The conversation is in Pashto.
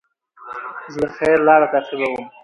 زه د خیر لاره تعقیبوم.